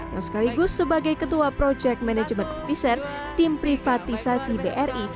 yang sekaligus sebagai ketua project manajemen officer tim privatisasi bri